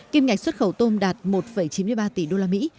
kim ngạch xuất khẩu tôm đạt một chín mươi ba tỷ usd